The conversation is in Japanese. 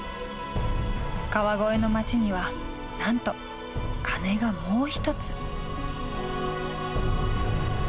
川越の町にはなんと鐘がもう１つ。